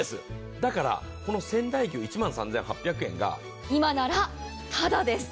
だから仙台牛１万３８００円が今ならただです。